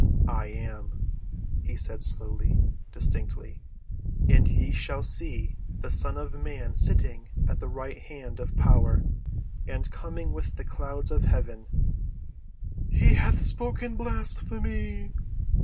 "I am," he said slowly—distinctly. "And ye shall see the Son of man sitting at the right hand of power, and coming with the clouds of heaven." "He hath spoken blasphemy!"